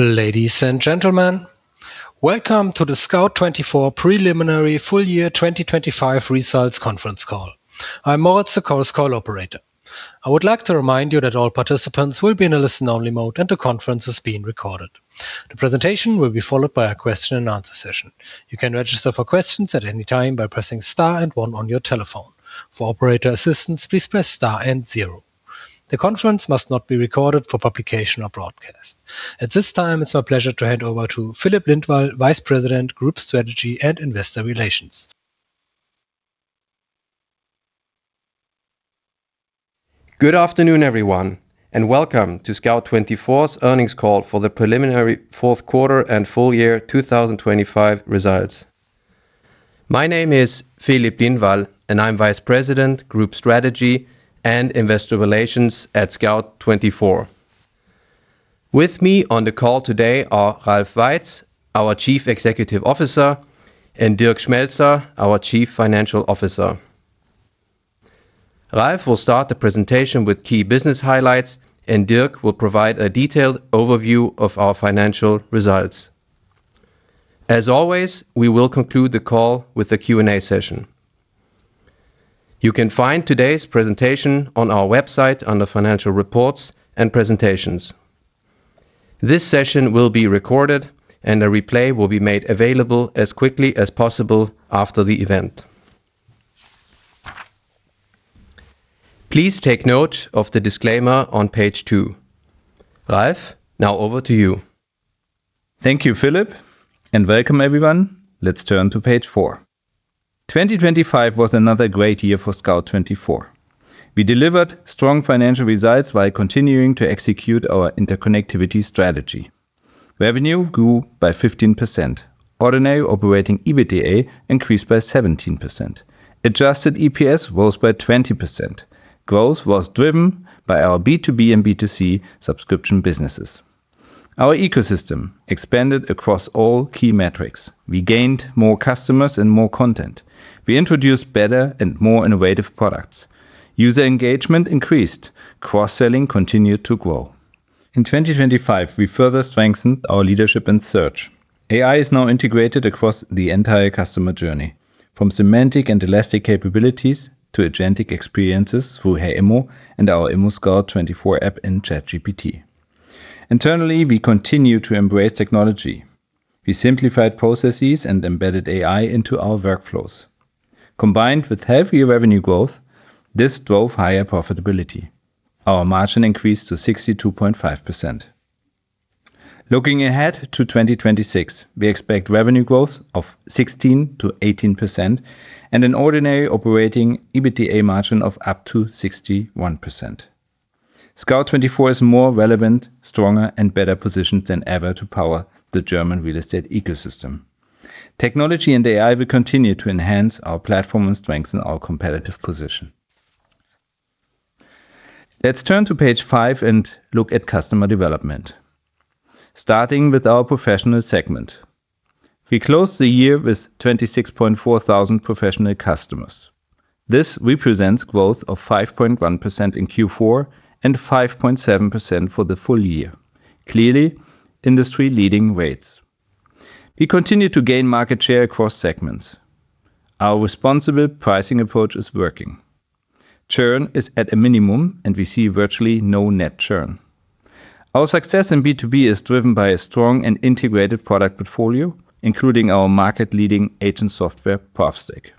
Ladies and gentlemen, welcome to the Scout24 preliminary full year 2025 results conference call. I'm Moritz, the call's call operator. I would like to remind you that all participants will be in a listen-only mode, and the conference is being recorded. The presentation will be followed by a question and answer session. You can register for questions at any time by pressing star and one on your telephone. For operator assistance, please press star and zero. The conference must not be recorded for publication or broadcast. At this time, it's my pleasure to hand over to Filip Lindvall, Vice President, Group Strategy and Investor Relations. Good afternoon, everyone. Welcome to Scout24's earnings call for the preliminary fourth quarter and full year 2025 results. My name is Filip Lindvall. I'm Vice President, Group Strategy and Investor Relations at Scout24. With me on the call today are Ralf Weitz, our Chief Executive Officer. Dirk Schmelzer, our Chief Financial Officer. Ralf will start the presentation with key business highlights. Dirk will provide a detailed overview of our financial results. As always, we will conclude the call with a Q&A session. You can find today's presentation on our website under Financial Reports and Presentations. This session will be recorded. A replay will be made available as quickly as possible after the event. Please take note of the disclaimer on page 2. Ralf, now over to you. Thank you, Filip, and welcome, everyone. Let's turn to page 4. 2025 was another great year for Scout24. We delivered strong financial results while continuing to execute our interconnectivity strategy. Revenue grew by 15%. Ordinary operating EBITDA increased by 17%. Adjusted EPS rose by 20%. Growth was driven by our B2B and B2C subscription businesses. Our ecosystem expanded across all key metrics. We gained more customers and more content. We introduced better and more innovative products. User engagement increased. Cross-selling continued to grow. In 2025, we further strengthened our leadership in search. AI is now integrated across the entire customer journey, from semantic and elastic capabilities to agentic experiences through HeyImmo and our ImmoScout24 app in ChatGPT. Internally, we continue to embrace technology. We simplified processes and embedded AI into our workflows. Combined with healthier revenue growth, this drove higher profitability. Our margin increased to 62.5%. Looking ahead to 2026, we expect revenue growth of 16%-18% and an ordinary operating EBITDA margin of up to 61%. Scout24 is more relevant, stronger, and better positioned than ever to power the German real estate ecosystem. Technology and AI will continue to enhance our platform and strengthen our competitive position. Let's turn to page 5 and look at customer development. Starting with our professional segment. We closed the year with 26,400 professional customers. This represents growth of 5.1% in Q4 and 5.7% for the full year. Clearly, industry-leading rates. Our responsible pricing approach is working. Churn is at a minimum, and we see virtually no net churn. Our success in B2B is driven by a strong and integrated product portfolio, including our market-leading agent software, Propstack.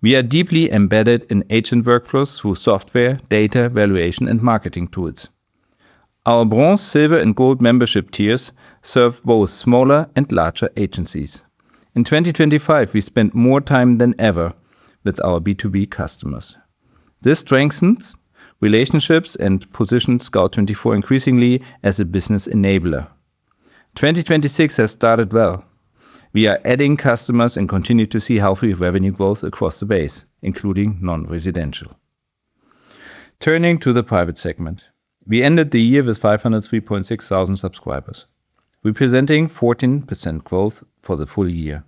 We are deeply embedded in agent workflows through software, data, valuation, and marketing tools. Our Bronze, Silver, and Gold membership tiers serve both smaller and larger agencies. In 2025, we spent more time than ever with our B2B customers. This strengthens relationships and positions Scout24 increasingly as a business enabler. 2026 has started well. We are adding customers and continue to see healthy revenue growth across the base, including non-residential. Turning to the private segment. We ended the year with 503.6 thousand subscribers, representing 14% growth for the full year.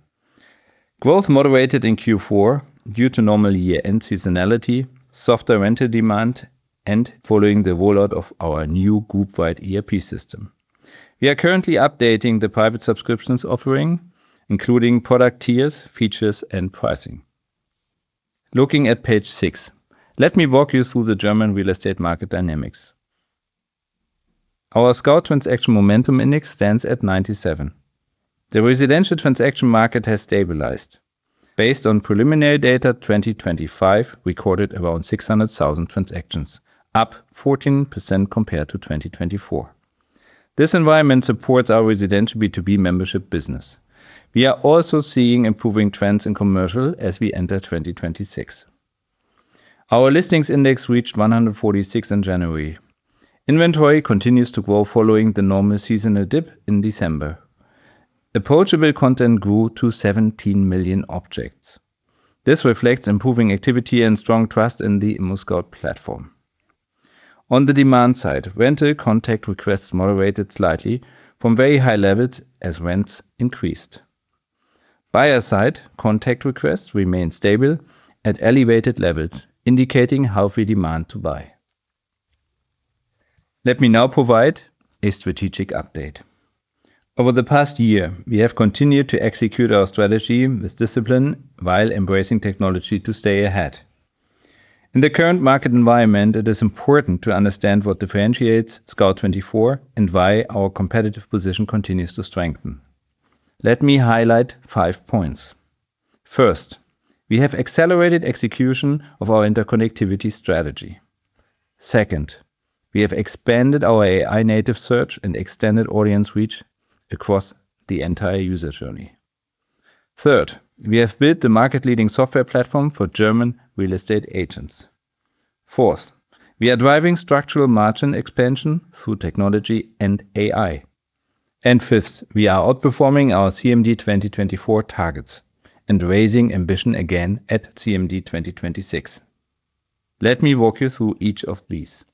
Growth moderated in Q4 due to normal year-end seasonality, softer rental demand, and following the rollout of our new group-wide ERP system. We are currently updating the private subscriptions offering, including product tiers, features, and pricing. Looking at page 6, let me walk you through the German real estate market dynamics. Our Scout Transaction Momentum Index stands at 97. The residential transaction market has stabilized. Based on preliminary data, 2025 recorded around 600,000 transactions, up 14% compared to 2024. This environment supports our residential B2B membership business. We are also seeing improving trends in commercial as we enter 2026. Our listings index reached 146 in January. Inventory continues to grow following the normal seasonal dip in December. Approachable content grew to 17 million objects. This reflects improving activity and strong trust in the ImmoScout24 platform. On the demand side, rental contact requests moderated slightly from very high levels as rents increased. Buyer side, contact requests remain stable at elevated levels, indicating healthy demand to buy. Let me now provide a strategic update. Over the past year, we have continued to execute our strategy with discipline while embracing technology to stay ahead. In the current market environment, it is important to understand what differentiates Scout24 and why our competitive position continues to strengthen. Let me highlight five points. First, we have accelerated execution of our interconnectivity strategy. Second, we have expanded our AI-native search and extended audience reach across the entire user journey. Third, we have built the market-leading software platform for German real estate agents. Fourth, we are driving structural margin expansion through technology and AI. Fifth, we are outperforming our CMD 2024 targets and raising ambition again at CMD 2026. Let me walk you through each of these.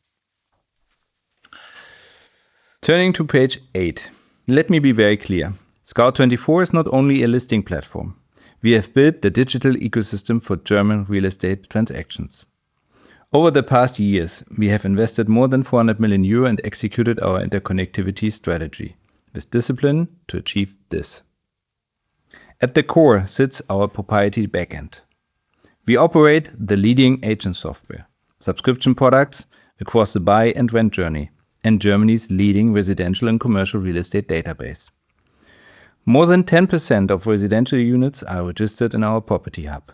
Turning to page 8, let me be very clear, Scout24 is not only a listing platform, we have built the digital ecosystem for German real estate transactions. Over the past years, we have invested more than 400 million euro and executed our interconnectivity strategy with discipline to achieve this. At the core, sits our proprietary backend. We operate the leading agent software, subscription products across the buy and rent journey, and Germany's leading residential and commercial real estate database. More than 10% of residential units are registered in our property hub.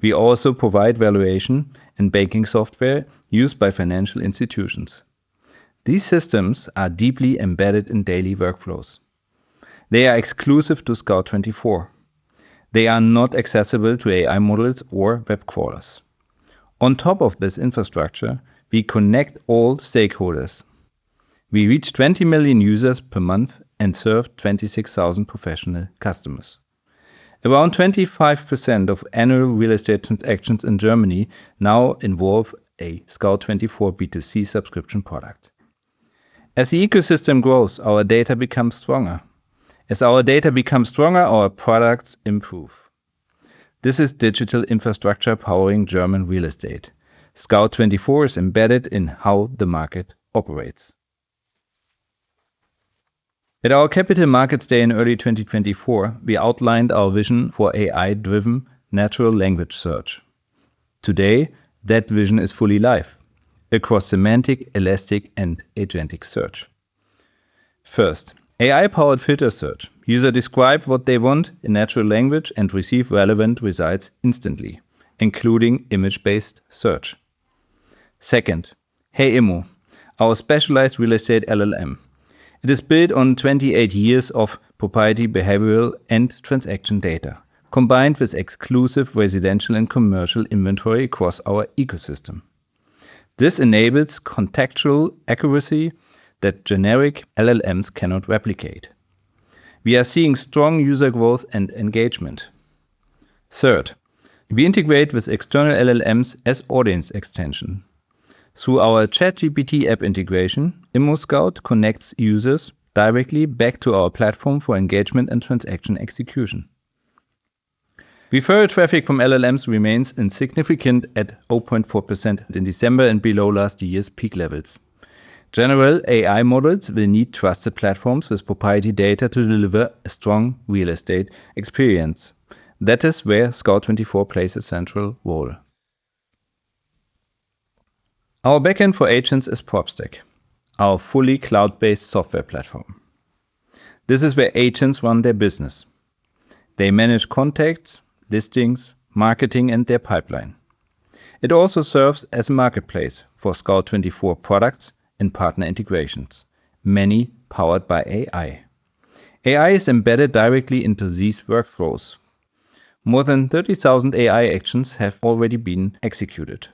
We also provide valuation and banking software used by financial institutions. These systems are deeply embedded in daily workflows. They are exclusive to Scout24. They are not accessible to AI models or web crawlers. On top of this infrastructure, we connect all stakeholders. We reach 20 million users per month and serve 26,000 professional customers. Around 25% of annual real estate transactions in Germany now involve a Scout24 B2C subscription product. As the ecosystem grows, our data becomes stronger. As our data becomes stronger, our products improve. This is digital infrastructure powering German real estate. Scout24 is embedded in how the market operates. At our Capital Markets Day in early 2024, we outlined our vision for AI-driven natural language search. Today, that vision is fully live across semantic, elastic, and agentic search. First, AI-powered filter search. User describe what they want in natural language and receive relevant results instantly, including image-based search. Second, HeyImmo, our specialized real estate LLM. It is built on 28 years of proprietary behavioral and transaction data, combined with exclusive residential and commercial inventory across our ecosystem. This enables contextual accuracy that generic LLMs cannot replicate. We are seeing strong user growth and engagement. Third, we integrate with external LLMs as audience extension. Through our ChatGPT app integration, ImmoScout connects users directly back to our platform for engagement and transaction execution. Referral traffic from LLMs remains insignificant at 0.4% in December and below last year's peak levels. General AI models will need trusted platforms with proprietary data to deliver a strong real estate experience. That is where Scout24 plays a central role. Our backend for agents is Propstack, our fully cloud-based software platform. This is where agents run their business. They manage contacts, listings, marketing, and their pipeline. It also serves as a marketplace for Scout24 products and partner integrations, many powered by AI. AI is embedded directly into these workflows. More than 30,000 AI actions have already been executed.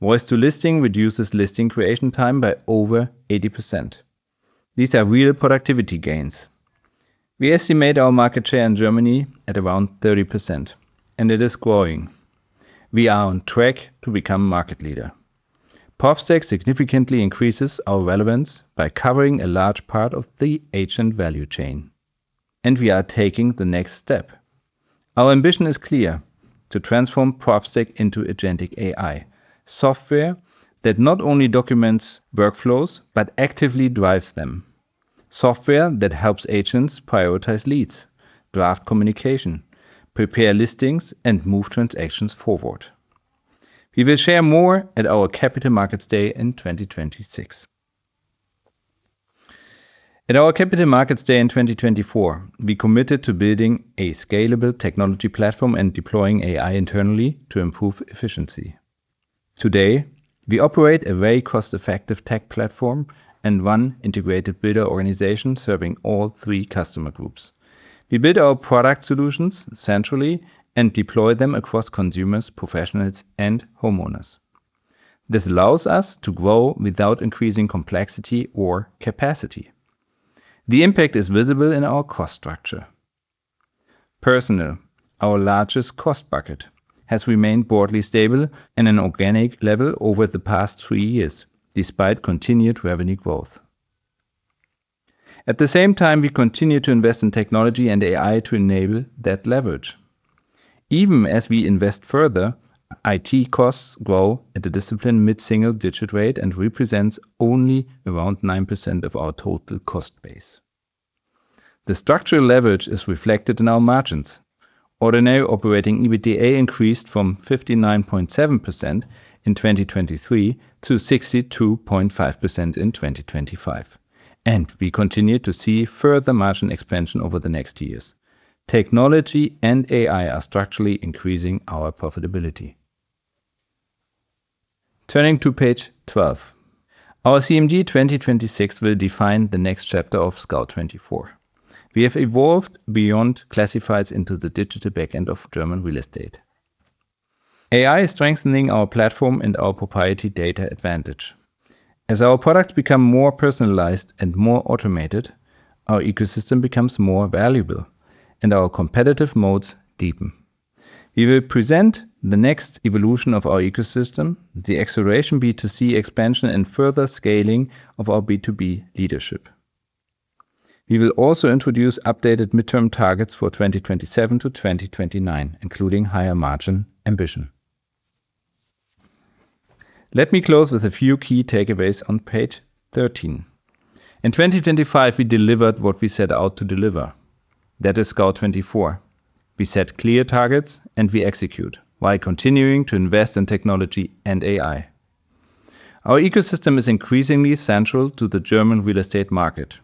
Voice to Listing reduces listing creation time by over 80%. These are real productivity gains. We estimate our market share in Germany at around 30%, and it is growing. We are on track to become market leader. Propstack significantly increases our relevance by covering a large part of the agent value chain, and we are taking the next step. Our ambition is clear: to transform Propstack into agentic AI, software that not only documents workflows but actively drives them. Software that helps agents prioritize leads, draft communication, prepare listings, and move transactions forward. We will share more at our Capital Markets Day in 2026. At our Capital Markets Day in 2024, we committed to building a scalable technology platform and deploying AI internally to improve efficiency. Today, we operate a very cost-effective tech platform and one integrated builder organization serving all three customer groups. We build our product solutions centrally and deploy them across consumers, professionals, and homeowners. This allows us to grow without increasing complexity or capacity. The impact is visible in our cost structure. Personnel, our largest cost bucket, has remained broadly stable in an organic level over the past three years, despite continued revenue growth. At the same time, we continue to invest in technology and AI to enable that leverage. Even as we invest further, IT costs grow at a disciplined mid-single-digit rate and represents only around 9% of our total cost base. The structural leverage is reflected in our margins. Ordinary operating EBITDA increased from 59.7% in 2023 to 62.5% in 2025, and we continue to see further margin expansion over the next years. Technology and AI are structurally increasing our profitability. Turning to page 12. Our CMD 2026 will define the next chapter of Scout24. We have evolved beyond classifieds into the digital back end of German real estate. AI is strengthening our platform and our proprietary data advantage. As our products become more personalized and more automated, our ecosystem becomes more valuable, and our competitive moats deepen. We will present the next evolution of our ecosystem, the acceleration B2C expansion, and further scaling of our B2B leadership. We will also introduce updated midterm targets for 2027-2029, including higher margin ambition. Let me close with a few key takeaways on page 13. In 2025, we delivered what we set out to deliver. That is Scout24. We set clear targets, and we execute, while continuing to invest in technology and AI. Our ecosystem is increasingly central to the German real estate market.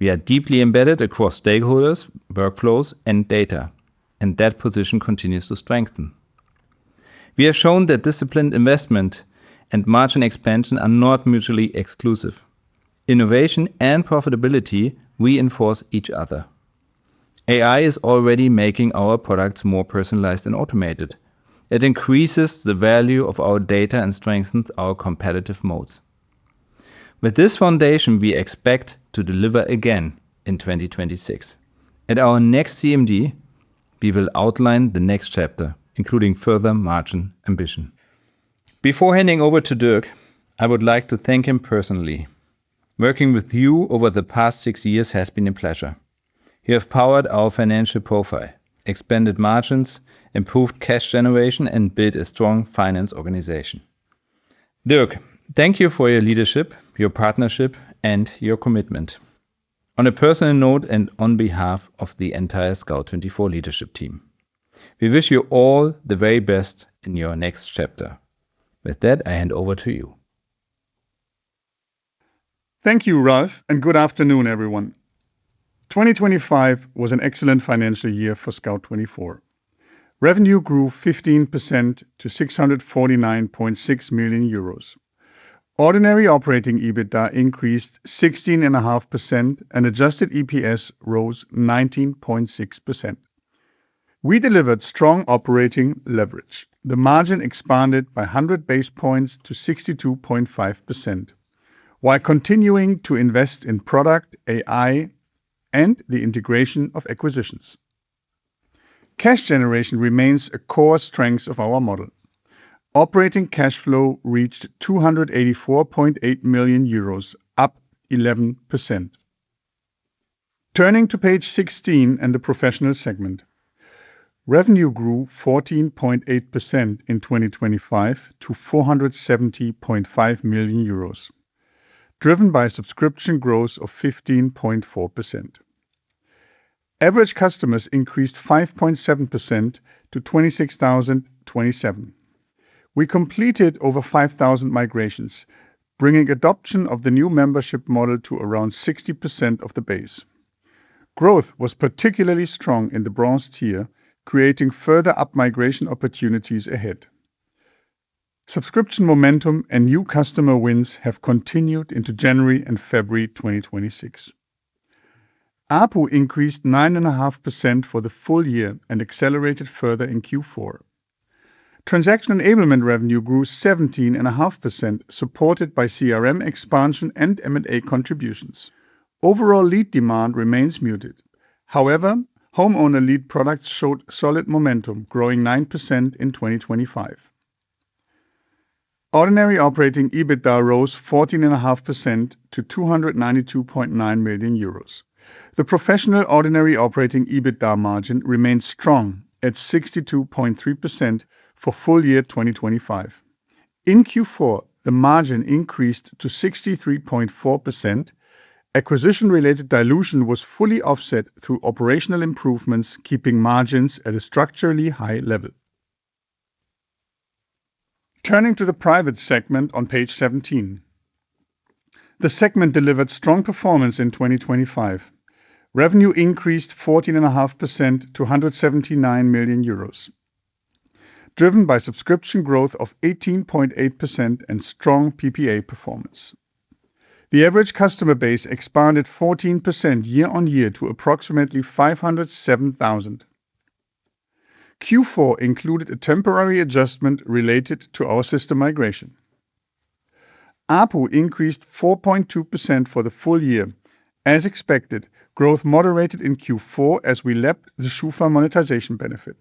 We are deeply embedded across stakeholders, workflows, and data, and that position continues to strengthen. We have shown that disciplined investment and margin expansion are not mutually exclusive. Innovation and profitability reinforce each other. AI is already making our products more personalized and automated. It increases the value of our data and strengthens our competitive moats. With this foundation, we expect to deliver again in 2026. At our next CMD, we will outline the next chapter, including further margin ambition. Before handing over to Dirk, I would like to thank him personally. Working with you over the past 6 years has been a pleasure. You have powered our financial profile, expanded margins, improved cash generation, and built a strong finance organization. Dirk, thank you for your leadership, your partnership, and your commitment. On a personal note and on behalf of the entire Scout24 leadership team, we wish you all the very best in your next chapter. With that, I hand over to you. Thank you, Ralf, and good afternoon, everyone. 2025 was an excellent financial year for Scout24. Revenue grew 15% to 649.6 million euros. Ordinary operating EBITDA increased 16.5%, and adjusted EPS rose 19.6%. We delivered strong operating leverage. The margin expanded by 100 basis points to 62.5%, while continuing to invest in product, AI, and the integration of acquisitions. Cash generation remains a core strength of our model. Operating cash flow reached 284.8 million euros, up 11%. Turning to page 16 and the professional segment. Revenue grew 14.8% in 2025 to 470.5 million euros, driven by subscription growth of 15.4%. Average customers increased 5.7% to 26,027. We completed over 5,000 migrations, bringing adoption of the new membership model to around 60% of the base. Growth was particularly strong in the Bronze tier, creating further up-migration opportunities ahead. Subscription momentum and new customer wins have continued into January and February 2026. ARPU increased 9.5% for the full year and accelerated further in Q4. Transaction enablement revenue grew 17.5%, supported by CRM expansion and M&A contributions. Overall lead demand remains muted. Homeowner lead products showed solid momentum, growing 9% in 2025. Ordinary operating EBITDA rose 14.5% to 292.9 million euros. The professional ordinary operating EBITDA margin remained strong at 62.3% for full year 2025. In Q4, the margin increased to 63.4%. Acquisition-related dilution was fully offset through operational improvements, keeping margins at a structurally high level. Turning to the private segment on page 17. The segment delivered strong performance in 2025. Revenue increased 14.5% to 179 million euros, driven by subscription growth of 18.8% and strong PPA performance. The average customer base expanded 14% year-over-year to approximately 507,000. Q4 included a temporary adjustment related to our system migration. ARPU increased 4.2% for the full year. As expected, growth moderated in Q4 as we lapped the Schufa monetization benefit.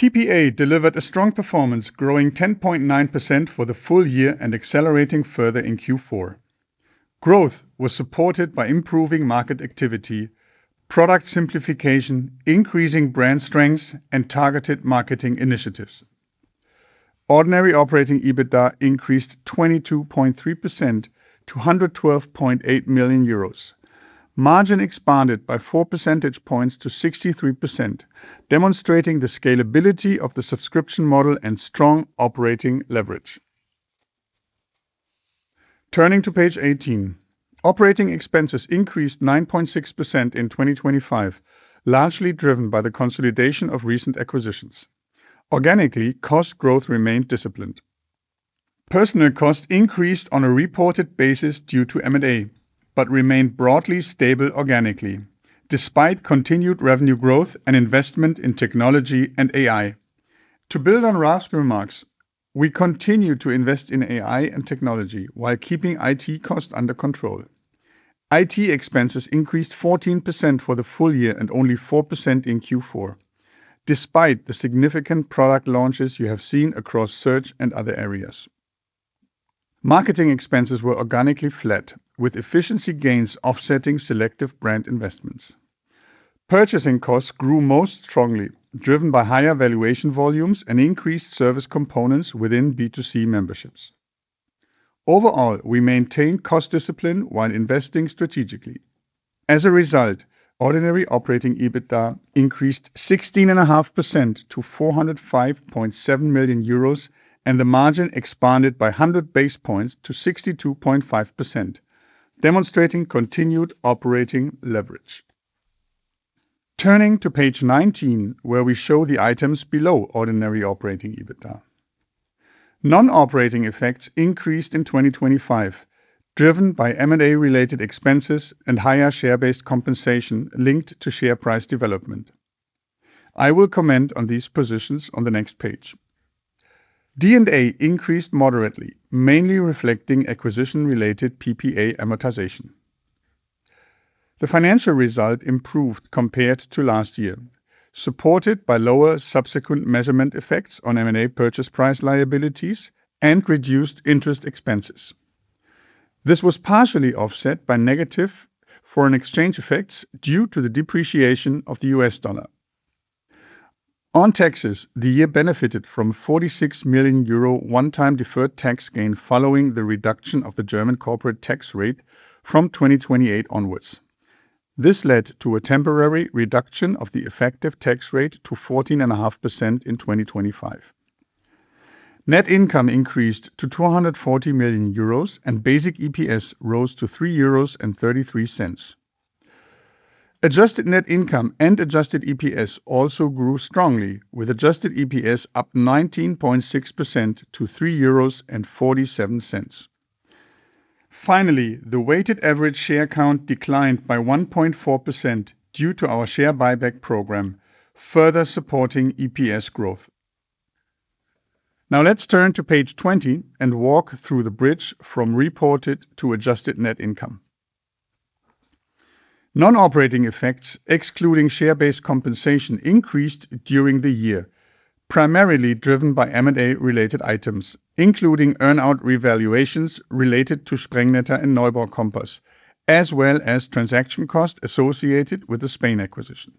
PPA delivered a strong performance, growing 10.9% for the full year and accelerating further in Q4. Growth was supported by improving market activity, product simplification, increasing brand strengths, and targeted marketing initiatives. Ordinary operating EBITDA increased 22.3% to 112.8 million euros. Margin expanded by 4 percentage points to 63%, demonstrating the scalability of the subscription model and strong operating leverage. Turning to page 18. Operating expenses increased 9.6% in 2025, largely driven by the consolidation of recent acquisitions. Organically, cost growth remained disciplined. Personnel costs increased on a reported basis due to M&A, but remained broadly stable organically, despite continued revenue growth and investment in technology and AI. To build on Ralf's remarks, we continue to invest in AI and technology while keeping IT costs under control. IT expenses increased 14% for the full year and only 4% in Q4, despite the significant product launches you have seen across search and other areas. Marketing expenses were organically flat, with efficiency gains offsetting selective brand investments. Purchasing costs grew most strongly, driven by higher valuation volumes and increased service components within B2C memberships. Overall, we maintained cost discipline while investing strategically. As a result, ordinary operating EBITDA increased 16.5% to 405.7 million euros, and the margin expanded by 100 basis points to 62.5%, demonstrating continued operating leverage. Turning to page 19, where we show the items below ordinary operating EBITDA. Non-operating effects increased in 2025, driven by M&A-related expenses and higher share-based compensation linked to share price development. I will comment on these positions on the next page. D&A increased moderately, mainly reflecting acquisition-related PPA amortization. The financial result improved compared to last year, supported by lower subsequent measurement effects on M&A purchase price liabilities and reduced interest expenses. This was partially offset by negative foreign exchange effects due to the depreciation of the US dollar. On taxes, the year benefited from 46 million euro one-time deferred tax gain following the reduction of the German corporate tax rate from 2028 onwards. This led to a temporary reduction of the effective tax rate to 14.5% in 2025. Net income increased to 240 million euros, and basic EPS rose to 3.33 euros. Adjusted net income and adjusted EPS also grew strongly, with adjusted EPS up 19.6% to 3.47 euros. Finally, the weighted average share count declined by 1.4% due to our share buyback program, further supporting EPS growth. Now let's turn to page 20 and walk through the bridge from reported to adjusted net income. Non-operating effects, excluding share-based compensation, increased during the year, primarily driven by M&A-related items, including earn-out revaluations related to Sprengnetter and Neubaur Kompass, as well as transaction costs associated with the Spain acquisition.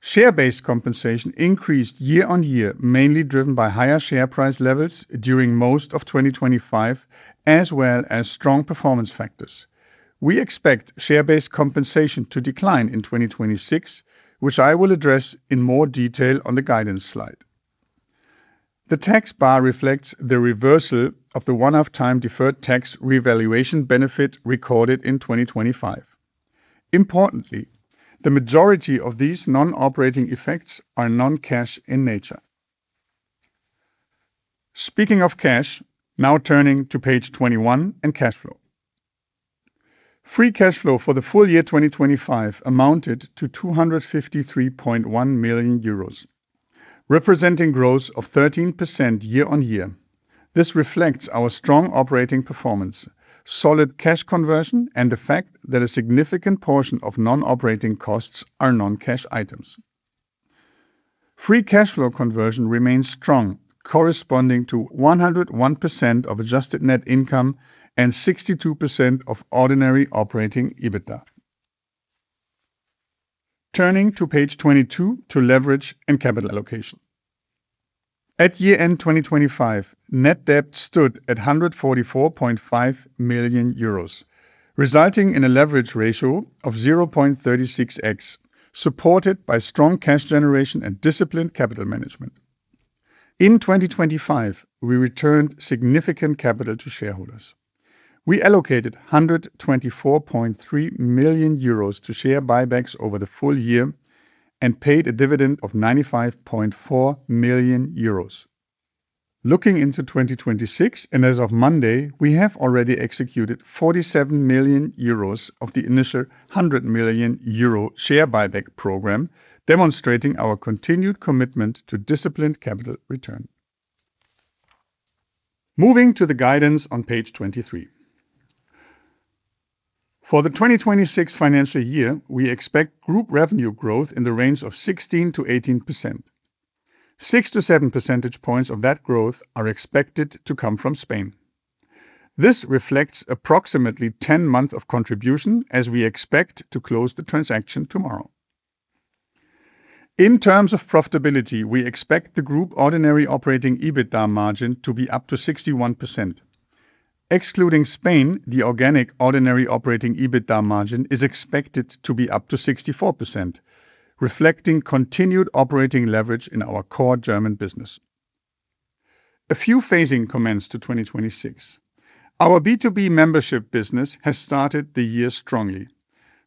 Share-based compensation increased year-on-year, mainly driven by higher share price levels during most of 2025, as well as strong performance factors. We expect share-based compensation to decline in 2026, which I will address in more detail on the guidance slide. The tax bar reflects the reversal of the one-off time deferred tax revaluation benefit recorded in 2025. Importantly, the majority of these non-operating effects are non-cash in nature. Speaking of cash, now turning to page 21 and cash flow. Free cash flow for the full year 2025 amounted to 253.1 million euros, representing growth of 13% year-on-year. This reflects our strong operating performance, solid cash conversion, and the fact that a significant portion of non-operating costs are non-cash items. Free cash flow conversion remains strong, corresponding to 101% of adjusted net income and 62% of ordinary operating EBITDA. Turning to page 22, to leverage and capital allocation. At year-end 2025, net debt stood at 144.5 million euros, resulting in a leverage ratio of 0.36x, supported by strong cash generation and disciplined capital management. In 2025, we returned significant capital to shareholders. We allocated 124.3 million euros to share buybacks over the full year and paid a dividend of 95.4 million euros. As of Monday, we have already executed 47 million euros of the initial 100 million euro share buyback program, demonstrating our continued commitment to disciplined capital return. Moving to the guidance on page 23. For the 2026 financial year, we expect group revenue growth in the range of 16%-18%. 6 to 7 percentage points of that growth are expected to come from Spain. This reflects approximately 10 months of contribution, as we expect to close the transaction tomorrow. In terms of profitability, we expect the group ordinary operating EBITDA margin to be up to 61%. Excluding Spain, the organic ordinary operating EBITDA margin is expected to be up to 64%, reflecting continued operating leverage in our core German business. A few phasing comments to 2026. Our B2B membership business has started the year strongly,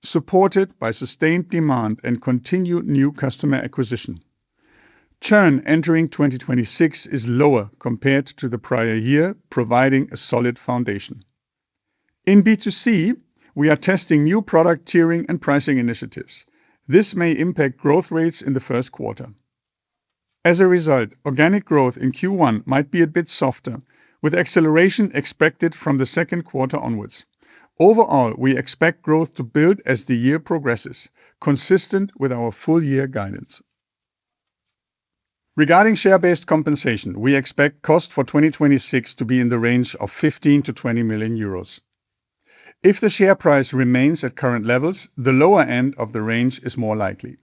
supported by sustained demand and continued new customer acquisition. Churn entering 2026 is lower compared to the prior year, providing a solid foundation. In B2C, we are testing new product tiering and pricing initiatives. This may impact growth rates in the first quarter. As a result, organic growth in Q1 might be a bit softer, with acceleration expected from the second quarter onwards. Overall, we expect growth to build as the year progresses, consistent with our full year guidance. Regarding share-based compensation, we expect cost for 2026 to be in the range of 15 million-20 million euros. If the share price remains at current levels, the lower end of the range is more likely.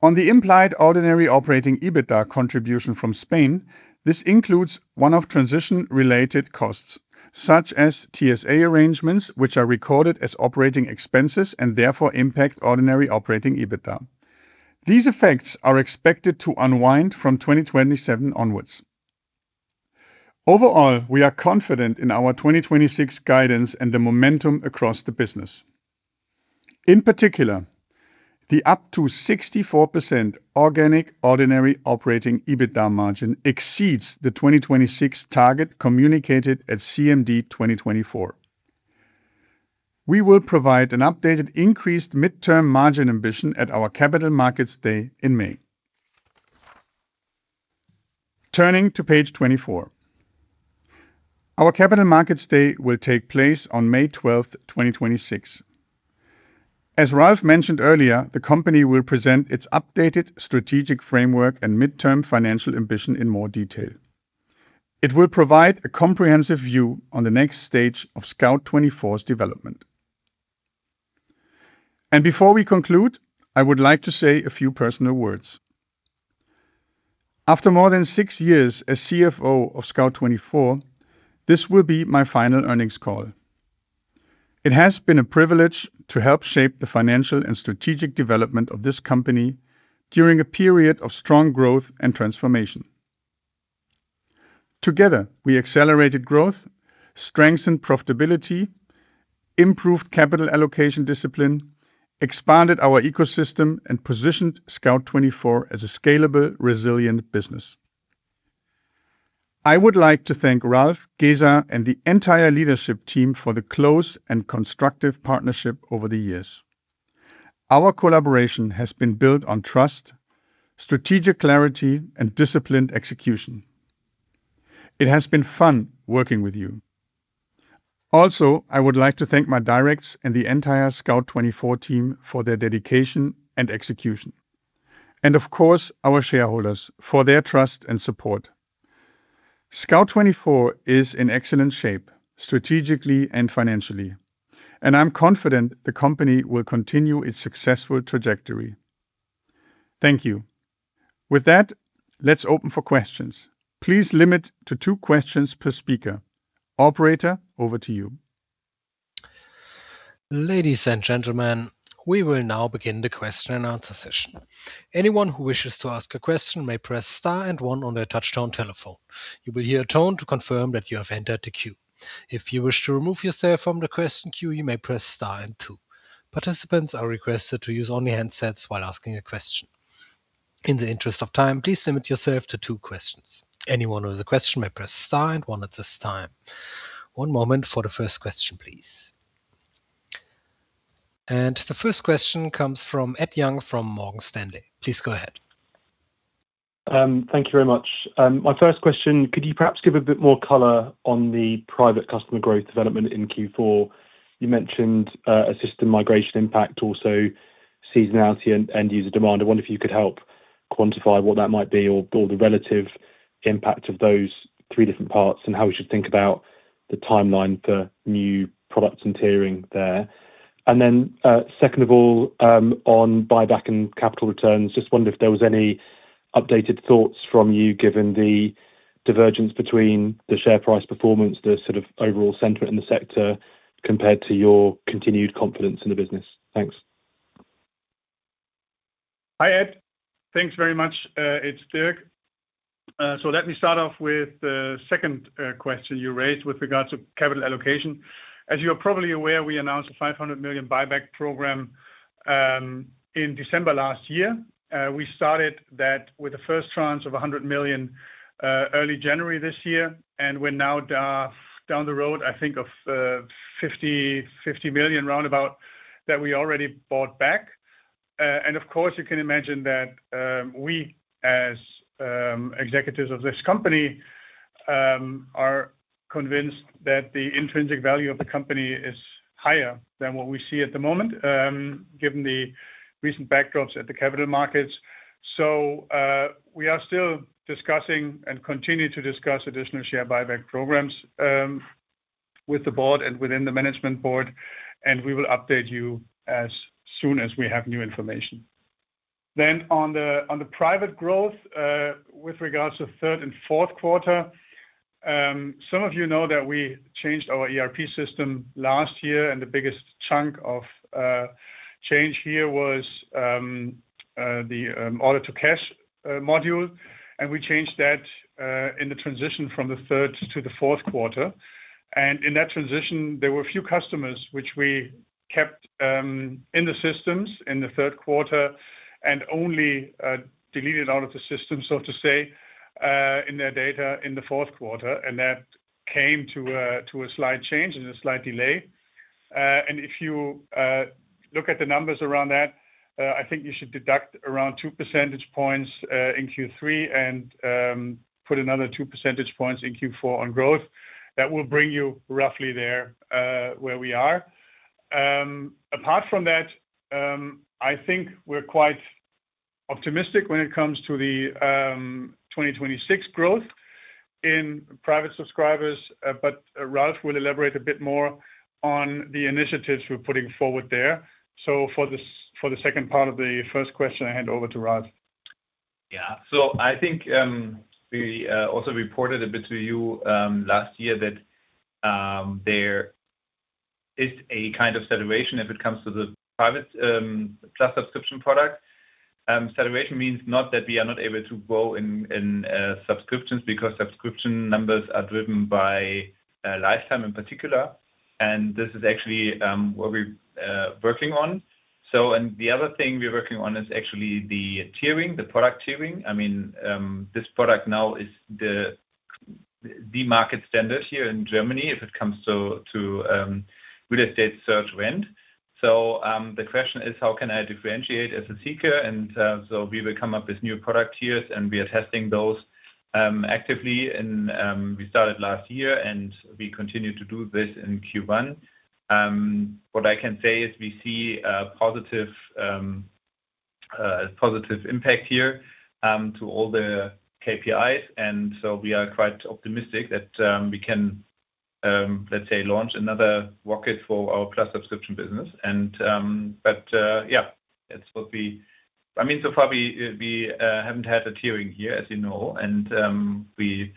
On the implied ordinary operating EBITDA contribution from Spain, this includes one-off transition-related costs, such as TSA arrangements, which are recorded as operating expenses and therefore impact ordinary operating EBITDA. These effects are expected to unwind from 2027 onwards. Overall, we are confident in our 2026 guidance and the momentum across the business. In particular, the up to 64% organic ordinary operating EBITDA margin exceeds the 2026 target communicated at CMD 2024. We will provide an updated, increased midterm margin ambition at our Capital Markets Day in May. Turning to page 24. Our Capital Markets Day will take place on May 12th, 2026. As Ralf mentioned earlier, the company will present its updated strategic framework and midterm financial ambition in more detail. It will provide a comprehensive view on the next stage of Scout24's development. Before we conclude, I would like to say a few personal words. After more than six years as CFO of Scout24, this will be my final earnings call. It has been a privilege to help shape the financial and strategic development of this company during a period of strong growth and transformation. Together, we accelerated growth, strengthened profitability, improved capital allocation discipline, expanded our ecosystem, and positioned Scout24 as a scalable, resilient business. I would like to thank Ralf, Gesa, and the entire leadership team for the close and constructive partnership over the years. Our collaboration has been built on trust, strategic clarity, and disciplined execution. It has been fun working with you. I would like to thank my directs and the entire Scout24 team for their dedication and execution, and of course, our shareholders, for their trust and support. Scout24 is in excellent shape, strategically and financially, and I'm confident the company will continue its successful trajectory. Thank you. With that, let's open for questions. Please limit to two questions per speaker. Operator, over to you. Ladies and gentlemen, we will now begin the question and answer session. Anyone who wishes to ask a question may press star and one on their touchtone telephone. You will hear a tone to confirm that you have entered the queue. If you wish to remove yourself from the question queue, you may press star and two. Participants are requested to use only handsets while asking a question. In the interest of time, please limit yourself to two questions. Anyone with a question may press star and one at this time. One moment for the first question, please. The first question comes from Ed Young from Morgan Stanley. Please go ahead. Thank you very much. My first question: could you perhaps give a bit more color on the private customer growth development in Q4? You mentioned a system migration impact, also seasonality and user demand. I wonder if you could help quantify what that might be, or build a relative impact of those three different parts, and how we should think about the timeline for new products and tiering there. Second of all, on buyback and capital returns, just wonder if there was any updated thoughts from you, given the divergence between the share price performance, the sort of overall center in the sector, compared to your continued confidence in the business. Thanks. Hi, Ed. Thanks very much. It's Dirk. Let me start off with the second question you raised with regards to capital allocation. As you are probably aware, we announced a 500 million buyback program in December last year. We started that with the first tranche of 100 million early January this year, and we're now down the road, I think of 50 million roundabout that we already bought back.... Of course, you can imagine that we, as executives of this company, are convinced that the intrinsic value of the company is higher than what we see at the moment, given the recent backdrops at the capital markets. We are still discussing and continue to discuss additional share buyback programs with the board and within the management board, and we will update you as soon as we have new information. On the private growth with regards to third and fourth quarter, some of you know that we changed our ERP system last year, and the biggest chunk of change here was the order to cash module, and we changed that in the transition from the third to the fourth quarter. In that transition, there were a few customers which we kept in the systems in the third quarter and only deleted out of the system, so to say, in their data in the fourth quarter, and that came to a slight change and a slight delay. If you look at the numbers around that, I think you should deduct around 2 percentage points in Q3 and put another 2 percentage points in Q4 on growth. That will bring you roughly there where we are. Apart from that, I think we're quite optimistic when it comes to the 2026 growth in private subscribers. Ralf will elaborate a bit more on the initiatives we're putting forward there. For this, for the second part of the first question, I hand over to Ralf. Yeah. I think, we also reported a bit to you last year that there is a kind of saturation if it comes to the private Plus subscription product. Saturation means not that we are not able to grow in subscriptions because subscription numbers are driven by lifetime in particular, and this is actually what we're working on. The other thing we're working on is actually the tiering, the product tiering. I mean, this product now is the market standard here in Germany, if it comes to real estate search trend. The question is, how can I differentiate as a seeker? We will come up with new product tiers, and we are testing those actively. We started last year. We continue to do this in Q1. What I can say is we see a positive positive impact here to all the KPIs. We are quite optimistic that we can, let's say, launch another rocket for our Plus subscription business. Yeah, that's what I mean. So far, we haven't had a tiering here, as you know. We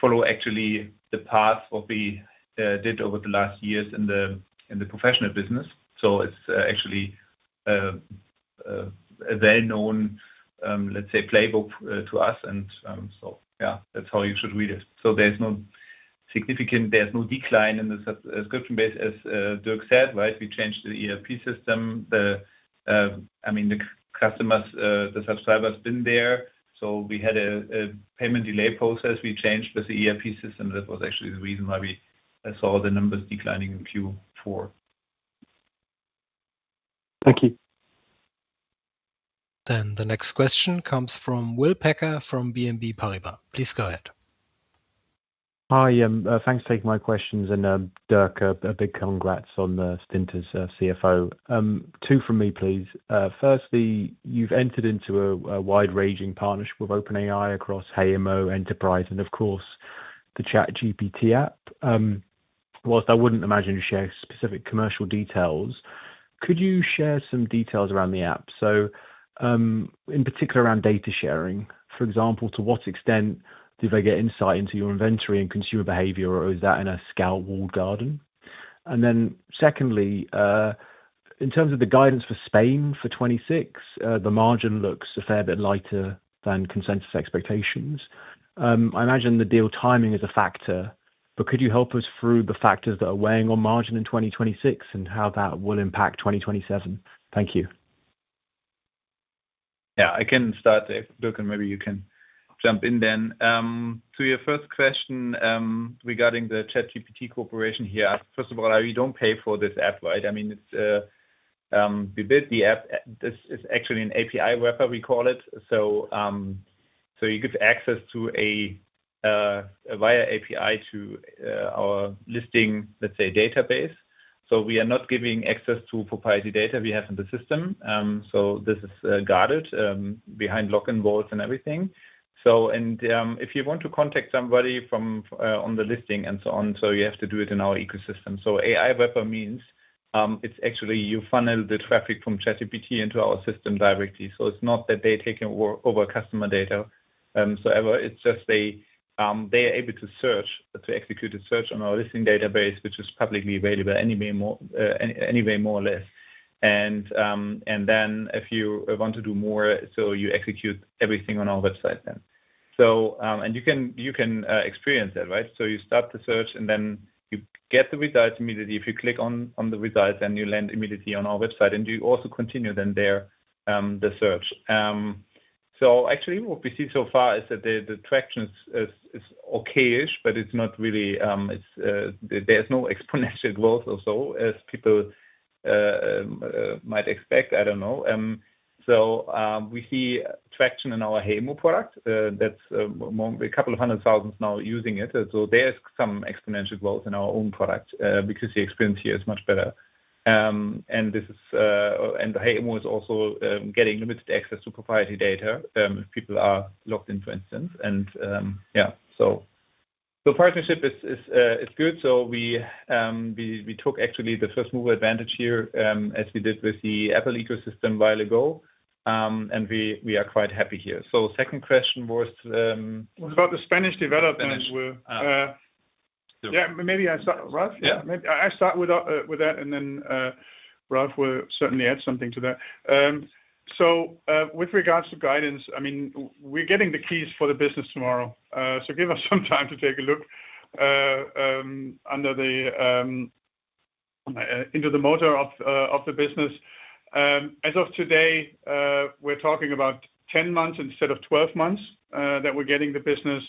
follow actually the path what we did over the last years in the professional business. It's actually a well-known, let's say, playbook to us. Yeah, that's how you should read it. There's no decline in the subscription base, as Dirk said, right? We changed the ERP system. I mean, the customers, the subscribers been there. We had a payment delay process we changed with the ERP system. That was actually the reason why we, saw the numbers declining in Q4. Thank you. The next question comes from Will Packer, from BNP Paribas. Please go ahead. Hi, thanks for taking my questions, and Dirk, a big congrats on the Spinters CFO. 2 from me, please. Firstly, you've entered into a wide-ranging partnership with OpenAI across HeyImmo, Enterprise, and of course, the ChatGPT app. Whilst I wouldn't imagine you share specific commercial details, could you share some details around the app? In particular, around data sharing, for example, to what extent do they get insight into your inventory and consumer behavior, or is that in a Scout walled garden? Secondly, in terms of the guidance for Spain for 2026, the margin looks a fair bit lighter than consensus expectations. I imagine the deal timing is a factor, but could you help us through the factors that are weighing on margin in 2026 and how that will impact 2027? Thank you. Yeah, I can start, Dirk. Maybe you can jump in then. To your first question, regarding the ChatGPT cooperation here. First of all, we don't pay for this app, right? I mean, it's we built the app. This is actually an API wrapper, we call it. You get access via API to our listing, let's say, database. We are not giving access to proprietary data we have in the system. This is guarded behind lock and vaults and everything. If you want to contact somebody on the listing and so on, you have to do it in our ecosystem. AI wrapper means it's actually you funnel the traffic from ChatGPT into our system directly. It's not that they're taking over customer data, ever, it's just they are able to search, to execute a search on our listing database, which is publicly available anyway, more or less. If you want to do more, you execute everything on our website. You can experience that, right? You start the search, you get the results immediately. If you click on the results, you land immediately on our website, you also continue there the search. Actually, what we see so far is that the traction is okay-ish, but it's not really there's no exponential growth as people might expect, I don't know. We see traction in our HeyImmo product. That's more a couple of 100,000 now using it. There's some exponential growth in our own product because the experience here is much better. This is, and the HeyImmo is also getting limited access to proprietary data if people are logged in, for instance. Yeah, the partnership is good. We actually took the first mover advantage here as we did with the Apple ecosystem a while ago. We are quite happy here. Second question was. About the Spanish development where. Uh, Yeah, maybe I start, Ralf? Yeah. Maybe I start with that. Ralf will certainly add something to that. With regards to guidance, I mean, we're getting the keys for the business tomorrow. Give us some time to take a look under the into the motor of the business. As of today, we're talking about 10 months instead of 12 months that we're getting the business.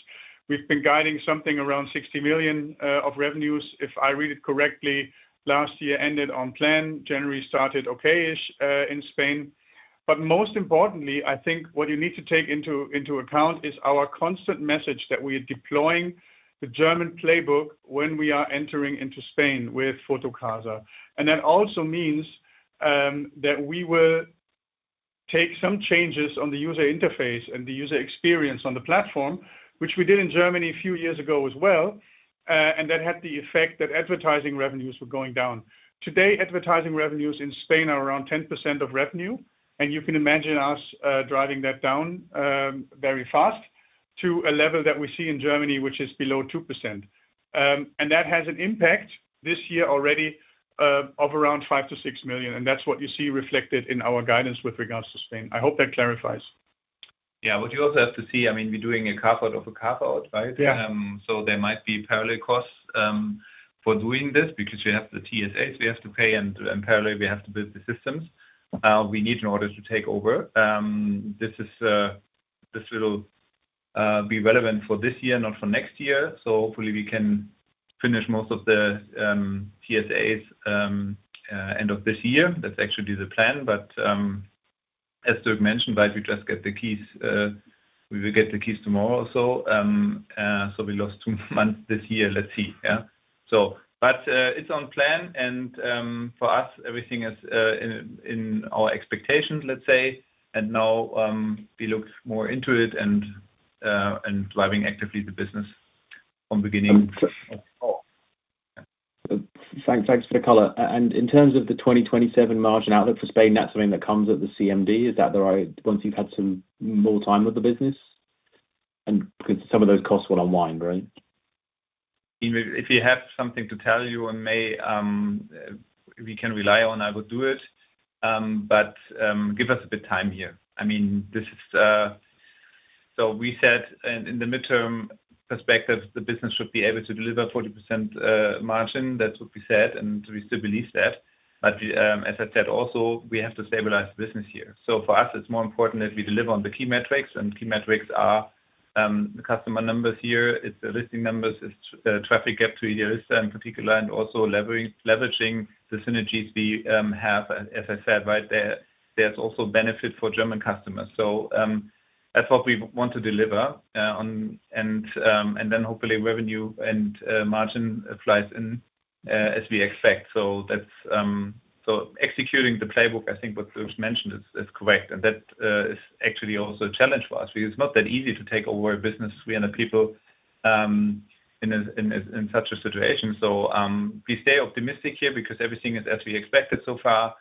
We've been guiding something around 60 million of revenues. If I read it correctly, last year ended on plan. January started okay-ish in Spain. Most importantly, I think what you need to take into account is our constant message that we are deploying the German playbook when we are entering into Spain with Fotocasa. That also means that we will take some changes on the user interface and the user experience on the platform, which we did in Germany a few years ago as well. That had the effect that advertising revenues were going down. Today, advertising revenues in Spain are around 10% of revenue, and you can imagine us driving that down very fast to a level that we see in Germany, which is below 2%. That has an impact this year already of around 5 million-6 million, and that's what you see reflected in our guidance with regards to Spain. I hope that clarifies. What you also have to see, I mean, we're doing a carve out of a carve out, right? Yeah. There might be parallel costs for doing this because we have the TSAs we have to pay, and parallel, we have to build the systems we need in order to take over. This will be relevant for this year, not for next year. Hopefully we can finish most of the TSAs end of this year. That's actually the plan, but as Dirk mentioned, right, we just get the keys. We will get the keys tomorrow or so. We lost two months this year. Let's see. Yeah. It's on plan, and for us, everything is in our expectations, let's say, and now we look more into it and driving actively the business from beginning of all. Thanks, thanks for the color. In terms of the 2027 margin outlook for Spain, that's something that comes with the CMD. Once you've had some more time with the business, because some of those costs will unwind, right? If we have something to tell you in May, we can rely on, I would do it. Give us a bit time here. I mean, this is. We said in the midterm perspective, the business should be able to deliver 40% margin. That's what we said, and we still believe that. As I said, also, we have to stabilize the business here. For us, it's more important that we deliver on the key metrics, and key metrics are the customer numbers here. It's the listing numbers, it's traffic up to here is in particular, and also leveraging the synergies we have. As I said, right there's also benefit for German customers. That's what we want to deliver on, and then hopefully revenue and margin applies in as we expect. Executing the playbook, I think what Dirk mentioned is correct, and that is actually also a challenge for us because it's not that easy to take over a business, 300 people, in such a situation. We stay optimistic here because everything is as we expected so far.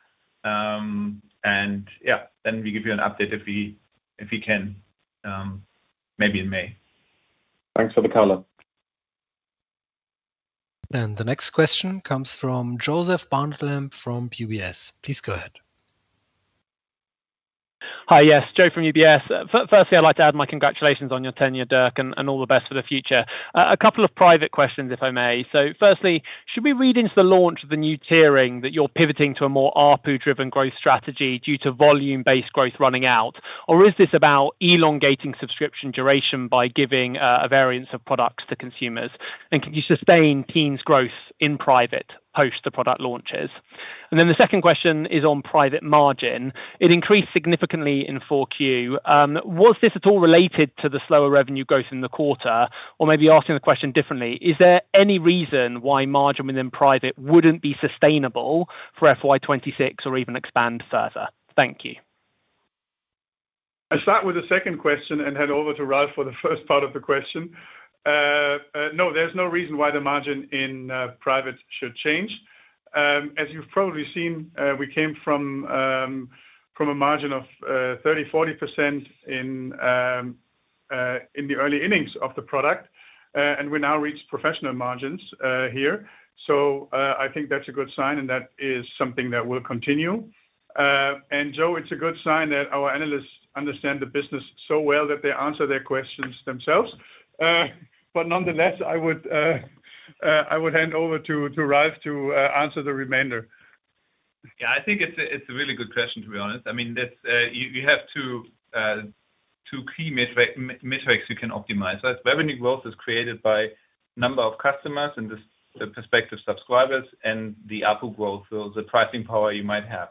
Then we give you an update if we, if we can, maybe in May. Thanks for the color. The next question comes from Joseph Barnet-Lamb from UBS. Please go ahead. Hi. Yes, Joe from UBS. Firstly, I'd like to add my congratulations on your tenure, Dirk, and all the best for the future. A couple of private questions, if I may. Firstly, should we read into the launch of the new tiering that you're pivoting to a more ARPU-driven growth strategy due to volume-based growth running out? Is this about elongating subscription duration by giving a variance of products to consumers? Can you sustain Teams growth in private post the product launches? The second question is on private margin. It increased significantly in 4Q. Was this at all related to the slower revenue growth in the quarter? Maybe asking the question differently, is there any reason why margin within private wouldn't be sustainable for FY 2026 or even expand further? Thank you. I'll start with the second question and hand over to Ralf for the first part of the question. No, there's no reason why the margin in private should change. As you've probably seen, we came from a margin of 30%-40% in the early innings of the product, we now reach professional margins here. I think that's a good sign, and that is something that will continue. Joe, it's a good sign that our analysts understand the business so well that they answer their questions themselves. Nonetheless, I would hand over to Ralf to answer the remainder. I think it's a really good question, to be honest. I mean, this, you have two key metrics you can optimize. As revenue growth is created by number of customers and the prospective subscribers, and the ARPU growth, so the pricing power you might have.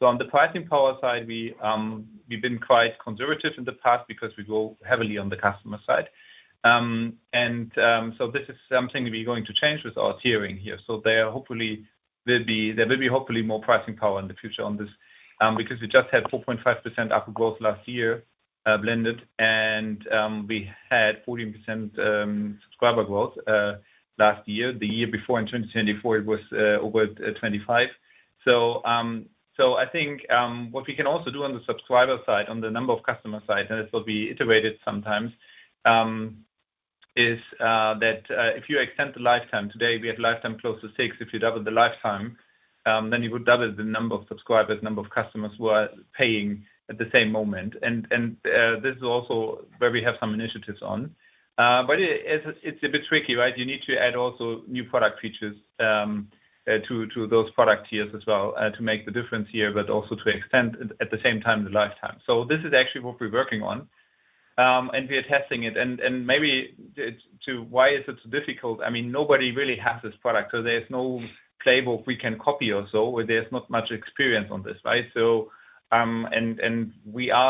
On the pricing power side, we've been quite conservative in the past because we grow heavily on the customer side. And this is something we're going to change with our tiering here. There will be hopefully more pricing power in the future on this, because we just had 4.5% ARPU growth last year, blended, and we had 14% subscriber growth last year. The year before in 2024, it was over 25. I think what we can also do on the subscriber side, on the number of customer side, and this will be iterated sometimes, is that if you extend the lifetime, today we have lifetime close to 6. If you double the lifetime, then you would double the number of subscribers, number of customers who are paying at the same moment. This is also where we have some initiatives on, but it's a bit tricky, right? You need to add also new product features to those product tiers as well to make the difference here, but also to extend at the same time, the lifetime. This is actually what we're working on, and we are testing it. Maybe it's... To why is it so difficult? I mean, nobody really has this product, so there's no playbook we can copy or so, where there's not much experience on this, right? We are